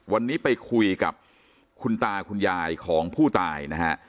วันนี้ไปคุยกับคุณตาคุณยายของผู้ตายนะฮะ